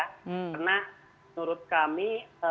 karena menurut kami